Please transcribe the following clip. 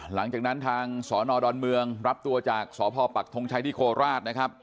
หลังจากนั้นทางสนดอนเมืองรับตัวจากสพปักทงชัยที่โคราชนะครับ